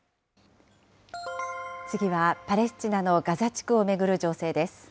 次はパレスチナのガザ地区を巡る情勢です。